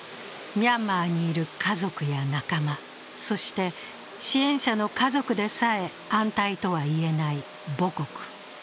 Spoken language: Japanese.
ミャンマーにいる家族や仲間、そして支援者の家族でさえ安泰とはいえない母国。